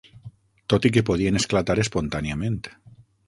Tot i que podien esclatar espontàniament.